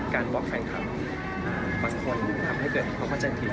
ว่าแฟนคลับบางคนทำให้เกิดความเข้าใจผิด